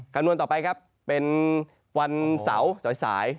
คำนวณต่อไปครับเป็นวันเสาร์สาย